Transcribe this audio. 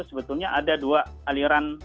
sebetulnya ada dua aliran